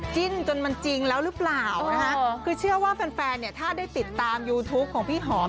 จิ้นจนมันจริงแล้วหรือเปล่านะคะคือเชื่อว่าแฟนแฟนเนี่ยถ้าได้ติดตามยูทูปของพี่หอม